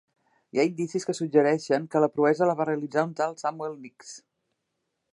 Hi ha indicis que suggereixen que la proesa la va realitzar un tal Samuel Nicks.